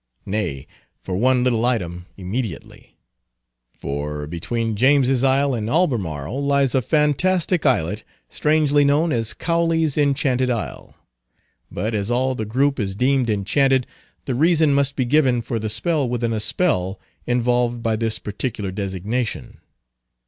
Nay, for one little item, immediately; for between James's Isle and Albemarle, lies a fantastic islet, strangely known as "Cowley's Enchanted Isle." But, as all the group is deemed enchanted, the reason must be given for the spell within a spell involved by this particular designation.